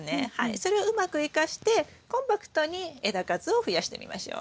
それをうまく生かしてコンパクトに枝数を増やしてみましょう。